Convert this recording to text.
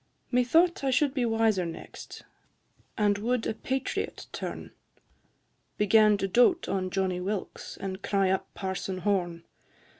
IV. Methought I should be wiser next, And would a patriot turn, Began to doat on Johnny Wilkes And cry up Parson Horne.